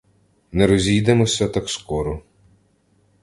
Не розійдемося так скоро.